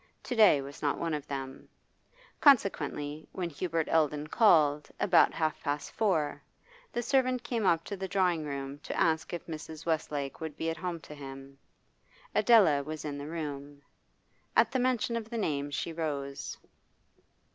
To day was not one of them; consequently when Hubert Eldon called, about half past four, the servant came up to the drawing room to ask if Mrs. Westlake would be at home to him. Adela was in the room; at the mention of the name she rose.